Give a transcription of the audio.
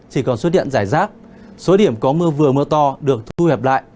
chỉ còn xuất điện giải rác số điểm có mưa vừa mưa to được thu hẹp lại